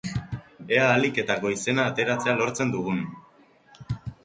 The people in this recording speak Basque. Ea ahalik eta goizena ateratzea lortzen dugun!